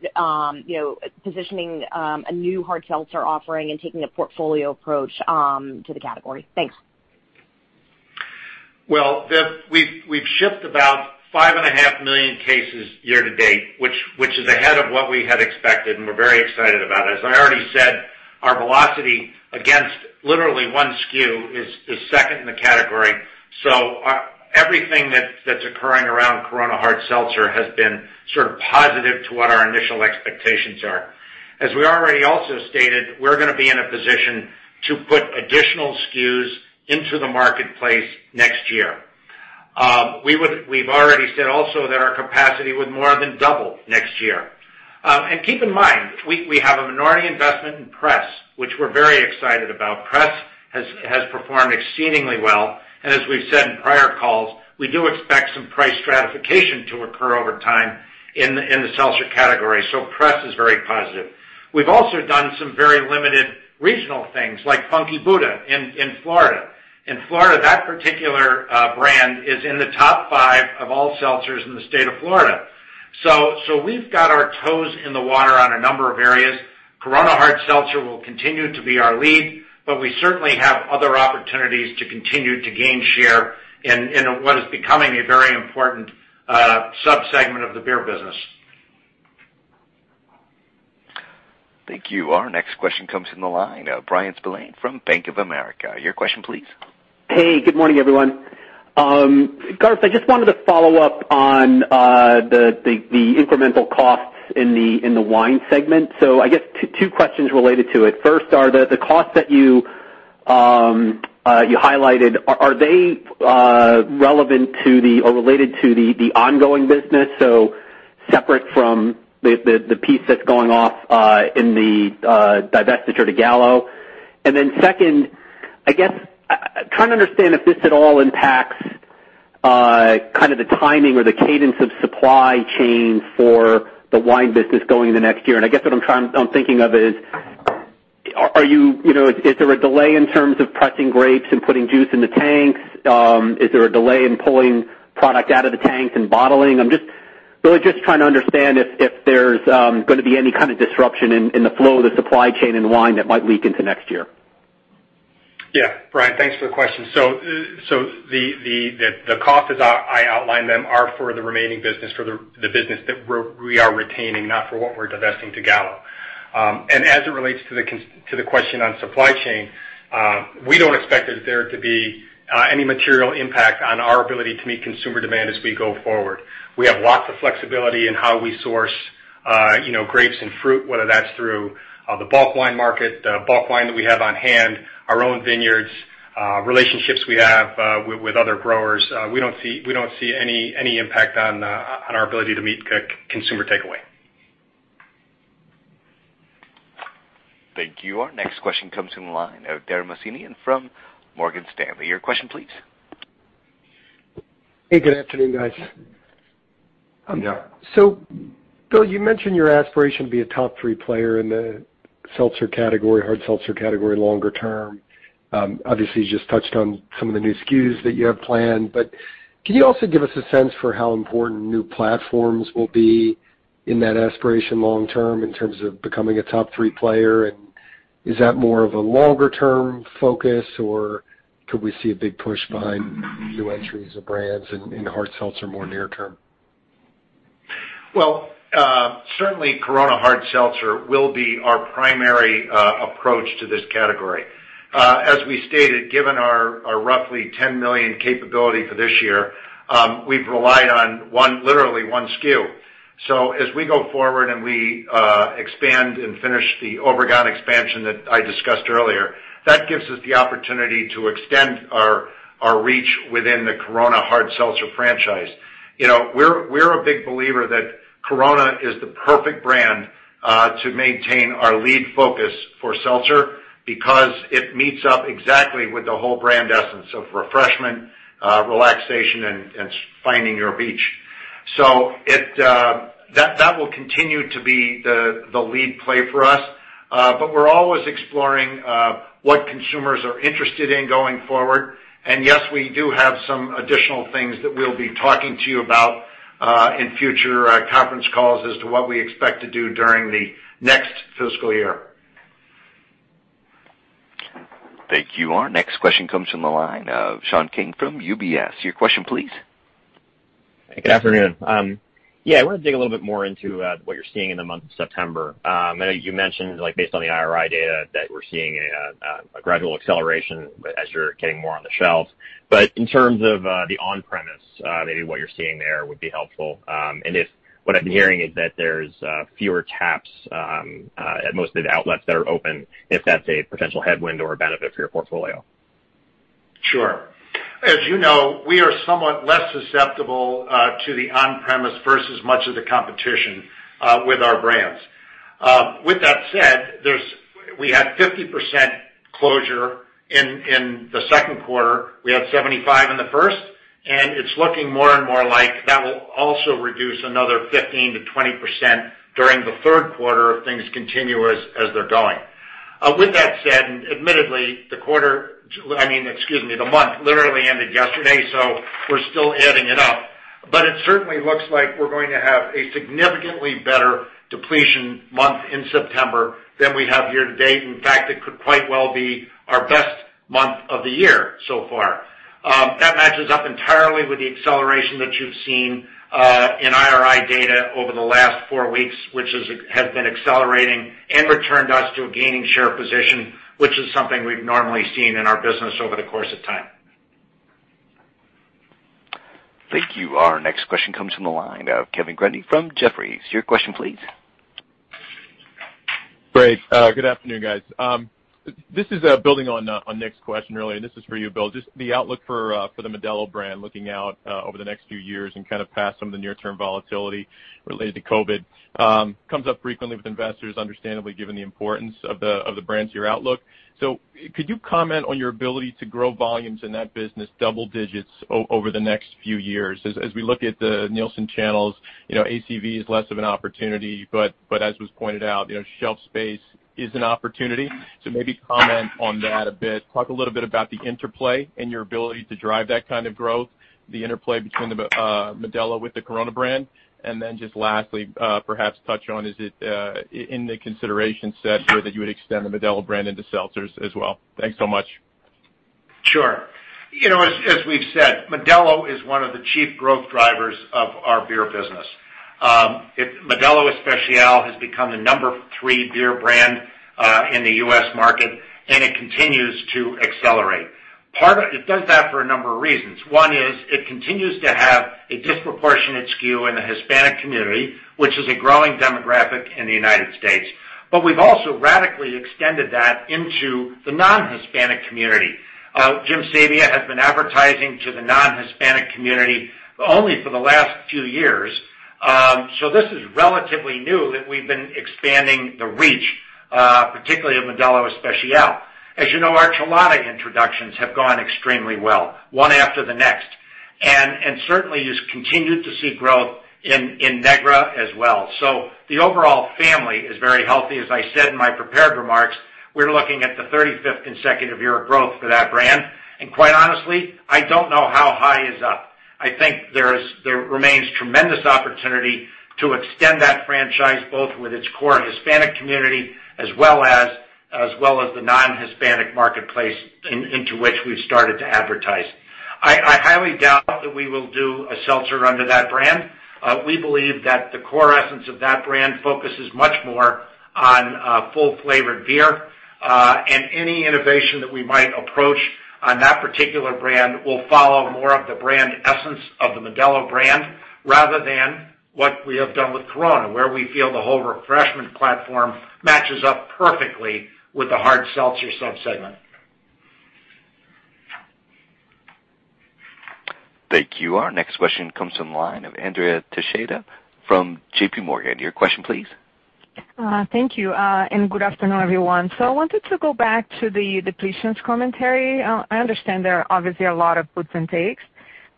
Speaker 8: positioning a new hard seltzer offering and taking a portfolio approach to the category. Thanks.
Speaker 3: Well, Viv, we've shipped about five and a half million cases year to date, which is ahead of what we had expected, and we're very excited about it. As I already said, our velocity against literally one SKU is second in the category. Everything that's occurring around Corona Hard Seltzer has been sort of positive to what our initial expectations are. As we already also stated, we're going to be in a position to put additional SKUs into the marketplace next year. We've already said also that our capacity would more than double next year. Keep in mind, we have a minority investment in PRESS, which we're very excited about. PRESS has performed exceedingly well, and as we've said in prior calls, we do expect some price stratification to occur over time in the seltzer category. PRESS is very positive. We've also done some very limited regional things like Funky Buddha in Florida. In Florida, that particular brand is in the top five of all seltzers in the state of Florida. We've got our toes in the water on a number of areas. Corona Hard Seltzer will continue to be our lead, we certainly have other opportunities to continue to gain share in what is becoming a very important sub-segment of the beer business.
Speaker 1: Thank you. Our next question comes from the line of Bryan Spillane from Bank of America. Your question, please.
Speaker 9: Hey, good morning, everyone. Garth, I just wanted to follow up on the incremental costs in the wine segment. I guess two questions related to it. First, are the costs that you highlighted, are they relevant to the, or related to the ongoing business? Separate from the piece that's going off in the divestiture to Gallo. Second, I guess, trying to understand if this at all impacts kind of the timing or the cadence of supply chain for the wine business going into next year. I guess what I'm thinking of is there a delay in terms of pressing grapes and putting juice in the tanks? Is there a delay in pulling product out of the tanks and bottling? I'm just really trying to understand if there's going to be any kind of disruption in the flow of the supply chain in wine that might leak into next year.
Speaker 4: Yeah. Bryan, thanks for the question. The costs as I outlined them are for the remaining business, for the business that we are retaining, not for what we're divesting to Gallo. As it relates to the question on supply chain, we don't expect there to be any material impact on our ability to meet consumer demand as we go forward. We have lots of flexibility in how we source grapes and fruit, whether that's through the bulk wine market, bulk wine that we have on hand, our own vineyards, relationships we have with other growers. We don't see any impact on our ability to meet consumer takeaway.
Speaker 1: Thank you. Our next question comes from the line of Dara Mohsenian from Morgan Stanley. Your question, please.
Speaker 10: Hey, good afternoon, guys.
Speaker 3: Yeah.
Speaker 10: Bill, you mentioned your aspiration to be a top three player in the hard seltzer category longer term. Obviously, you just touched on some of the new SKUs that you have planned, but can you also give us a sense for how important new platforms will be in that aspiration long-term in terms of becoming a top three player? Is that more of a longer term focus, or could we see a big push behind new entries of brands in hard seltzer more near-term?
Speaker 3: Well, certainly Corona Hard Seltzer will be our primary approach to this category. As we stated, given our roughly 10 million capability for this year, we've relied on literally one SKU. As we go forward and we expand and finish the Obregon expansion that I discussed earlier, that gives us the opportunity to extend our reach within the Corona Hard Seltzer franchise. We're a big believer that Corona is the perfect brand to maintain our lead focus for Seltzer because it meets up exactly with the whole brand essence of refreshment, relaxation, and finding your beach. That will continue to be the lead play for us. We're always exploring what consumers are interested in going forward. Yes, we do have some additional things that we'll be talking to you about in future conference calls as to what we expect to do during the next fiscal year.
Speaker 1: Thank you. Our next question comes from the line of Sean King from UBS. Your question, please.
Speaker 11: Good afternoon. Yeah, I want to dig a little bit more into what you're seeing in the month of September. I know you mentioned, based on the IRI data, that we're seeing a gradual acceleration as you're getting more on the shelves. In terms of the on-premise, maybe what you're seeing there would be helpful. If what I've been hearing is that there's fewer taps at most of the outlets that are open, if that's a potential headwind or a benefit for your portfolio.
Speaker 3: Sure. As you know, we are somewhat less susceptible to the on-premise versus much of the competition with our brands. With that said, we had 50% closure in the second quarter. We had 75% in the first. It's looking more and more like that will also reduce another 15%-20% during the third quarter if things continue as they're going. With that said, admittedly, the month literally ended yesterday. We're still adding it up. It certainly looks like we're going to have a significantly better depletion month in September than we have year to date. In fact, it could quite well be our best month of the year so far. That matches up entirely with the acceleration that you've seen in IRI data over the last four weeks, which has been accelerating and returned us to a gaining share position, which is something we've normally seen in our business over the course of time.
Speaker 1: Thank you. Our next question comes from the line of Kevin Grundy from Jefferies. Your question, please.
Speaker 12: Great. Good afternoon, guys. This is building on Nik's question, really, and this is for you, Bill. Just the outlook for the Modelo brand, looking out over the next few years and kind of past some of the near-term volatility related to COVID-19, comes up frequently with investors, understandably, given the importance of the brand to your outlook. Could you comment on your ability to grow volumes in that business double digits over the next few years? As we look at the Nielsen channels, ACV is less of an opportunity, as was pointed out, shelf space is an opportunity. Maybe comment on that a bit, talk a little bit about the interplay and your ability to drive that kind of growth, the interplay between the Modelo with the Corona brand. Just lastly, perhaps touch on, is it in the consideration set here that you would extend the Modelo brand into seltzers as well? Thanks so much.
Speaker 3: Sure. As we've said, Modelo is one of the chief growth drivers of our beer business. Modelo Especial has become the number three beer brand in the U.S. market. It continues to accelerate. It does that for a number of reasons. One is it continues to have a disproportionate SKU in the Hispanic community, which is a growing demographic in the U.S. We've also radically extended that into the non-Hispanic community. Jim Sabia has been advertising to the non-Hispanic community only for the last few years. This is relatively new that we've been expanding the reach, particularly of Modelo Especial. As you know, our Chelada introductions have gone extremely well, one after the next. Certainly you continue to see growth in Negra as well. The overall family is very healthy. As I said in my prepared remarks, we're looking at the 35th consecutive year of growth for that brand. Quite honestly, I don't know how high is up. I think there remains tremendous opportunity to extend that franchise, both with its core Hispanic community as well as the non-Hispanic marketplace into which we've started to advertise. I highly doubt that we will do a seltzer under that brand. We believe that the core essence of that brand focuses much more on full-flavored beer, and any innovation that we might approach on that particular brand will follow more of the brand essence of the Modelo brand rather than what we have done with Corona, where we feel the whole refreshment platform matches up perfectly with the hard seltzer subsegment.
Speaker 1: Thank you. Our next question comes from the line of Andrea Teixeira from JPMorgan. Your question, please.
Speaker 13: Thank you, and good afternoon, everyone. I wanted to go back to the depletions commentary. I understand there are obviously a lot of puts and takes,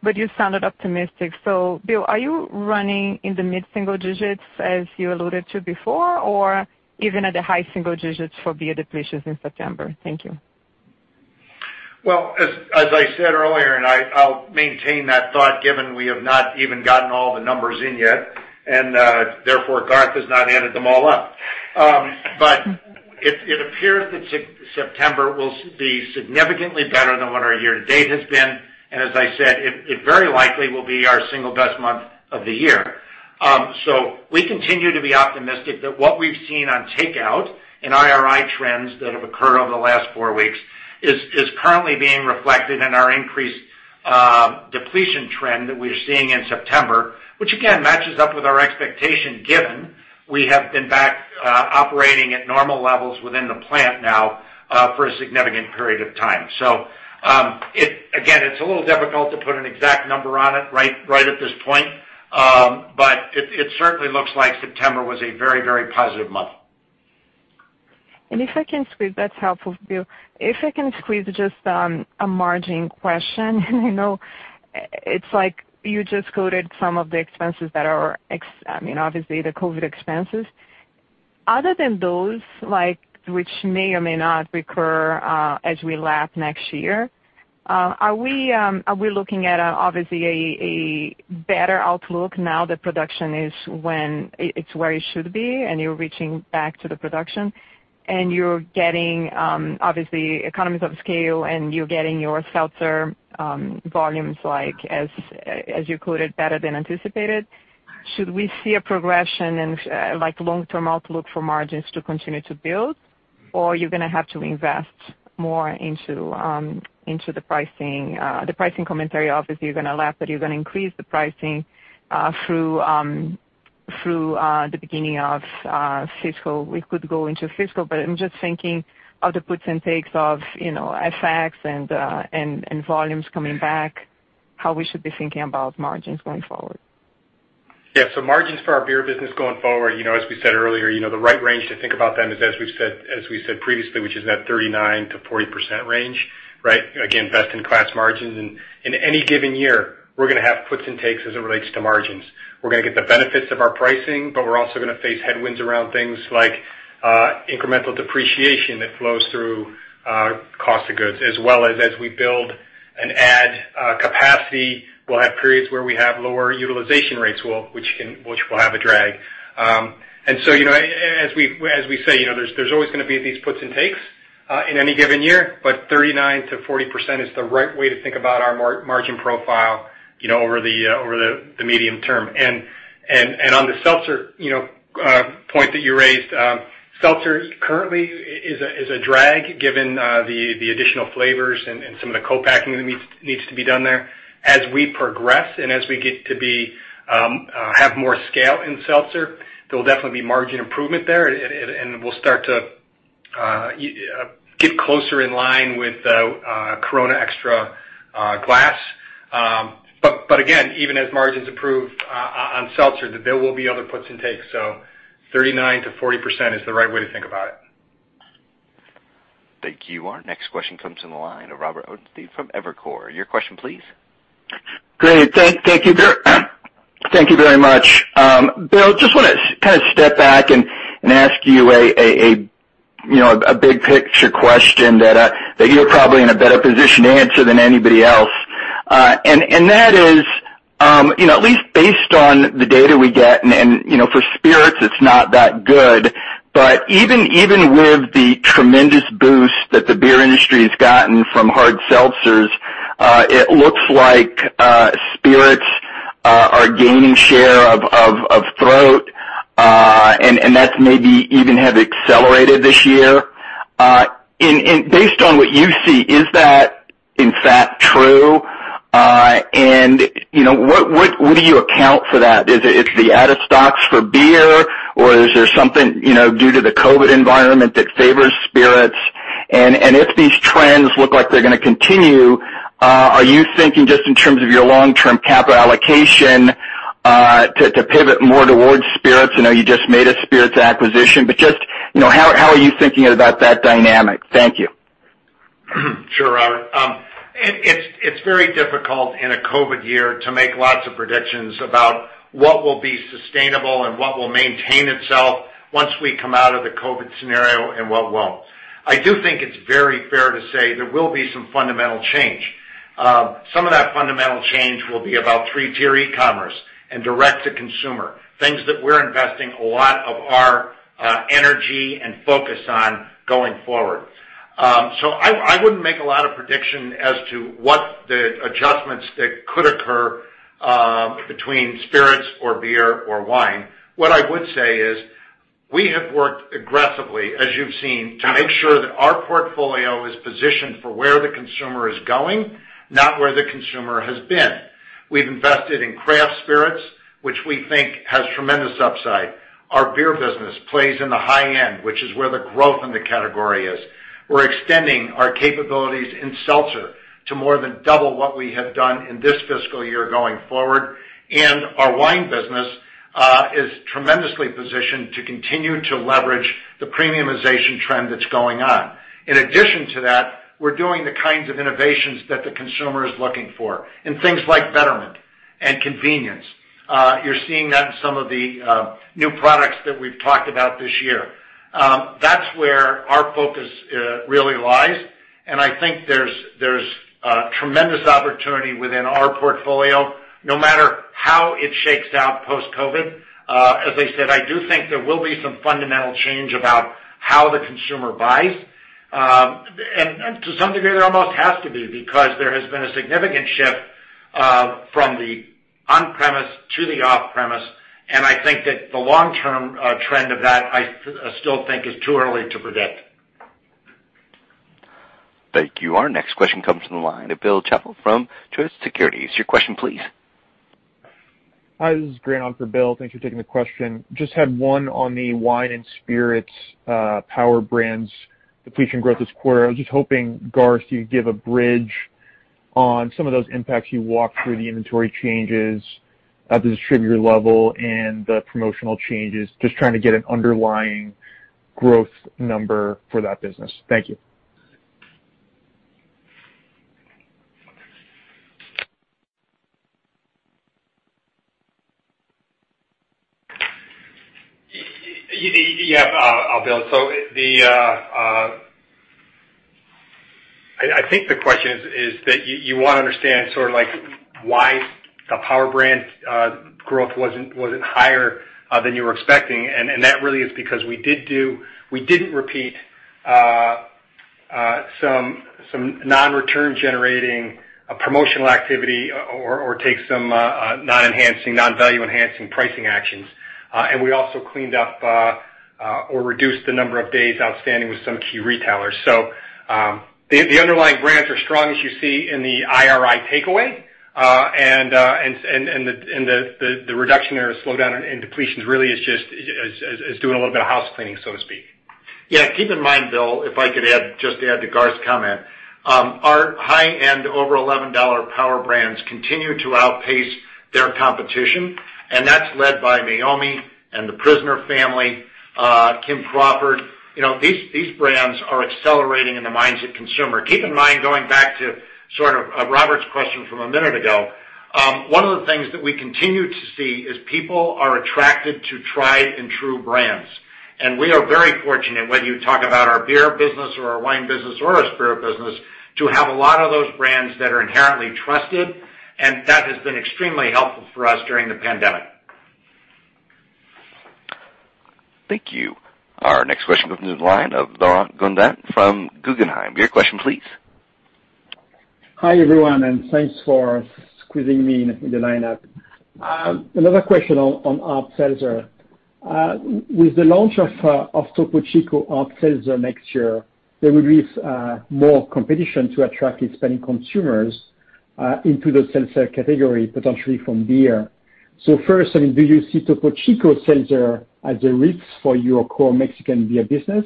Speaker 13: but you sounded optimistic. Bill, are you running in the mid-single digits as you alluded to before, or even at the high single digits for beer depletions in September? Thank you.
Speaker 3: As I said earlier, and I'll maintain that thought given we have not even gotten all the numbers in yet, and therefore Garth has not added them all up. It appears that September will be significantly better than what our year to date has been. As I said, it very likely will be our single best month of the year. We continue to be optimistic that what we've seen on takeout and IRI trends that have occurred over the last four weeks is currently being reflected in our increased depletion trend that we're seeing in September, which again, matches up with our expectation given we have been back operating at normal levels within the plant now for a significant period of time. Again, it's a little difficult to put an exact number on it right at this point, but it certainly looks like September was a very positive month.
Speaker 13: If I can squeeze, that's helpful, Bill. If I can squeeze just on a margin question. It's like you just quoted some of the expenses that are, obviously the COVID expenses. Other than those, which may or may not recur as we lap next year, are we looking at obviously a better outlook now that production is where it should be and you're reaching back to the production, and you're getting, obviously economies of scale, and you're getting your seltzer volumes, like as you quoted, better than anticipated. Should we see a progression in long-term outlook for margins to continue to build, or you're going to have to invest more into the pricing? The pricing commentary, obviously, you're going to lap it, you're going to increase the pricing through the beginning of fiscal. We could go into fiscal, but I'm just thinking of the puts and takes of effects and volumes coming back, how we should be thinking about margins going forward.
Speaker 4: Yeah. Margins for our beer business going forward, as we said earlier, the right range to think about them is as we said previously, which is that 39%-40% range, right? Again, best-in-class margins. In any given year, we're going to have puts and takes as it relates to margins. We're going to get the benefits of our pricing, we're also going to face headwinds around things like incremental depreciation that flows through cost of goods, as well as we build and add capacity, we'll have periods where we have lower utilization rates, which will have a drag. As we say, there's always going to be these puts and takes in any given year, 39%-40% is the right way to think about our margin profile over the medium-term. On the seltzer point that you raised, seltzer currently is a drag given the additional flavors and some of the co-packing that needs to be done there. As we progress and as we get to have more scale in seltzer, there'll definitely be margin improvement there, and we'll start to get closer in line with Corona Extra glass. Again, even as margins improve on seltzer, there will be other puts and takes. 39%-40% is the right way to think about it.
Speaker 1: Thank you. Our next question comes from the line of Robert Ottenstein from Evercore. Your question, please.
Speaker 14: Great. Thank you very much. Bill, just want to kind of step back and ask you a big-picture question that you're probably in a better position to answer than anybody else. That is, at least based on the data we get, and for spirits, it's not that good, but even with the tremendous boost that the beer industry has gotten from hard seltzers, it looks like spirits are gaining share of throat, and that's maybe even have accelerated this year. Based on what you see, is that in fact true? What do you account for that? Is it the out of stocks for beer, or is there something due to the COVID environment that favors spirits? If these trends look like they're going to continue, are you thinking just in terms of your long-term capital allocation to pivot more towards spirits? I know you just made a spirits acquisition. Just how are you thinking about that dynamic? Thank you.
Speaker 3: Sure, Robert. It's very difficult in a COVID year to make lots of predictions about what will be sustainable and what will maintain itself once we come out of the COVID scenario and what won't. I do think it's very fair to say there will be some fundamental change. Some of that fundamental change will be about three-tier e-commerce and direct-to-consumer, things that we're investing a lot of our energy and focus on going forward. I wouldn't make a lot of prediction as to what the adjustments that could occur between spirits or beer or wine. What I would say is we have worked aggressively, as you've seen, to make sure that our portfolio is positioned for where the consumer is going, not where the consumer has been. We've invested in craft spirits, which we think has tremendous upside. Our beer business plays in the high end, which is where the growth in the category is. We're extending our capabilities in seltzer to more than double what we have done in this fiscal year going forward. Our wine business is tremendously positioned to continue to leverage the premiumization trend that's going on. In addition to that, we're doing the kinds of innovations that the consumer is looking for in things like betterment and convenience. You're seeing that in some of the new products that we've talked about this year. That's where our focus really lies, and I think there's a tremendous opportunity within our portfolio no matter how it shakes out post-COVID-19. As I said, I do think there will be some fundamental change about how the consumer buys. To some degree, there almost has to be because there has been a significant shift from the on-premise to the off-premise, and I think that the long-term trend of that, I still think is too early to predict.
Speaker 1: Thank you. Our next question comes from the line of Bill Chappell from Truist Securities. Your question, please.
Speaker 15: Hi, this is Grant on for Bill. Thanks for taking the question. Had one on the wine and spirits power brands depletion growth this quarter. I was hoping, Garth, you'd give a bridge on some of those impacts. You walked through the inventory changes at the distributor level and the promotional changes. Trying to get an underlying growth number for that business. Thank you.
Speaker 4: Yeah, Bill. I think the question is that you want to understand sort of like why the power brand growth wasn't higher than you were expecting, and that really is because we didn't repeat some non-return generating promotional activity or take some non-value enhancing pricing actions. We also cleaned up, or reduced the number of days outstanding with some key retailers. The underlying brands are strong, as you see in the IRI takeaway. The reduction or slowdown in depletions really is just doing a little bit of house cleaning, so to speak.
Speaker 3: Keep in mind, Bill, if I could just add to Garth's comment. Our high-end over $11 power brands continue to outpace their competition, that's led by Meiomi and The Prisoner Family, Kim Crawford. These brands are accelerating in the minds of consumer. Keep in mind, going back to sort of Robert's question from a minute ago, one of the things that we continue to see is people are attracted to tried and true brands. We are very fortunate, whether you talk about our beer business or our wine business or our spirit business, to have a lot of those brands that are inherently trusted, and that has been extremely helpful for us during the pandemic.
Speaker 1: Thank you. Our next question comes from the line of Laurent Grandet from Guggenheim. Your question please.
Speaker 16: Hi, everyone, thanks for squeezing me in the lineup. Another question on hard seltzer. With the launch of Topo Chico Hard Seltzer next year, there will be more competition to attract Hispanic consumers into the seltzer category, potentially from beer. First, do you see Topo Chico Seltzer as a risk for your core Mexican beer business?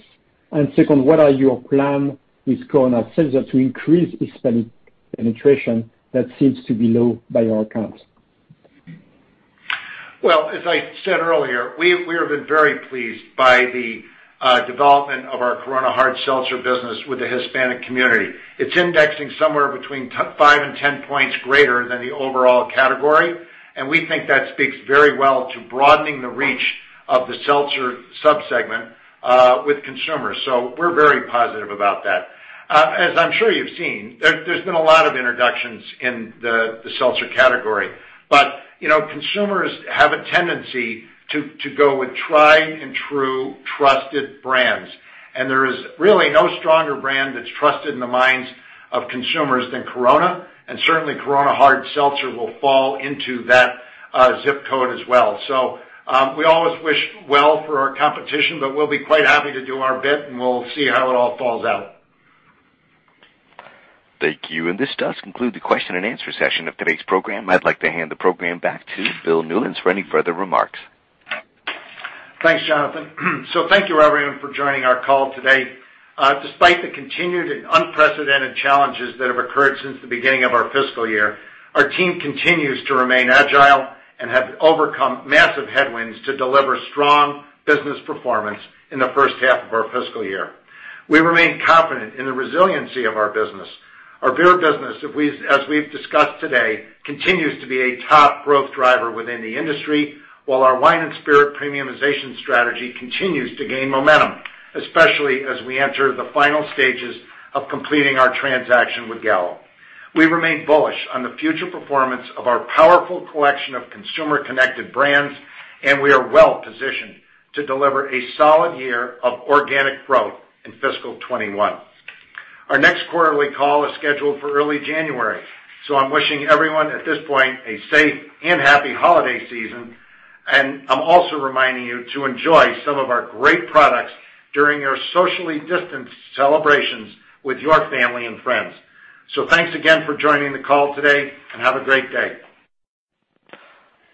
Speaker 16: Second, what are your plan with Corona Seltzer to increase Hispanic penetration that seems to be low by your accounts?
Speaker 3: Well, as I said earlier, we have been very pleased by the development of our Corona Hard Seltzer business with the Hispanic community. It's indexing somewhere between five and 10 points greater than the overall category, and we think that speaks very well to broadening the reach of the seltzer sub-segment with consumers. We're very positive about that. As I'm sure you've seen, there's been a lot of introductions in the seltzer category. Consumers have a tendency to go with tried and true trusted brands. There is really no stronger brand that's trusted in the minds of consumers than Corona, and certainly Corona Hard Seltzer will fall into that ZIP Code as well. We always wish well for our competition, but we'll be quite happy to do our bit, and we'll see how it all falls out.
Speaker 1: Thank you. This does conclude the question and answer session of today's program. I'd like to hand the program back to Bill Newlands for any further remarks.
Speaker 3: Thanks, Jonathan. Thank you, everyone, for joining our call today. Despite the continued and unprecedented challenges that have occurred since the beginning of our fiscal year, our team continues to remain agile and have overcome massive headwinds to deliver strong business performance in the first half of our fiscal year. We remain confident in the resiliency of our business. Our beer business, as we've discussed today, continues to be a top growth driver within the industry, while our wine and spirit premiumization strategy continues to gain momentum, especially as we enter the final stages of completing our transaction with Gallo. We remain bullish on the future performance of our powerful collection of consumer-connected brands, and we are well-positioned to deliver a solid year of organic growth in fiscal 2021. Our next quarterly call is scheduled for early January. I'm wishing everyone at this point a safe and happy holiday season, and I'm also reminding you to enjoy some of our great products during your socially distanced celebrations with your family and friends. Thanks again for joining the call today, and have a great day.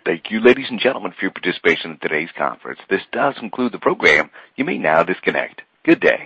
Speaker 1: Thank you, ladies and gentlemen, for your participation in today's conference. This does conclude the program. You may now disconnect. Good day.